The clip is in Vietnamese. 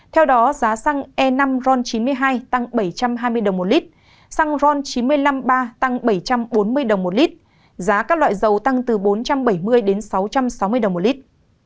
theo đó giá xăng e năm ron chín mươi hai tăng bảy trăm hai mươi đồng một lít xăng ron chín trăm năm mươi ba tăng bảy trăm bốn mươi đồng một lít giá các loại dầu tăng từ bốn trăm bảy mươi đến sáu trăm sáu mươi đồng một lít